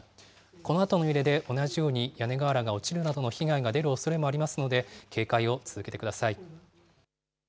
このあとの揺れで同じように屋根瓦が落ちるなどの被害が出るおそれもありますので、警戒を続けてください。